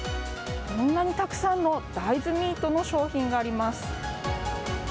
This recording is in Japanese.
こんなにたくさんの大豆ミートの商品があります。